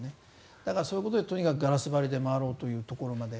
だから、そういうことでとにかくガラス張りで回ろうというところで。